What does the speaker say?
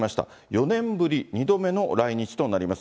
４年ぶり２度目の来日となります。